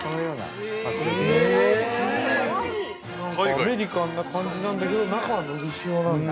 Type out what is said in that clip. ◆アメリカンな感じなんだけど、中はのり塩なんだ。